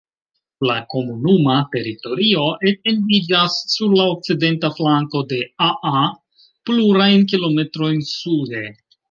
La komunuma teritorio etendiĝas sur la okcidenta flanko de Aa plurajn kilometrojn sude.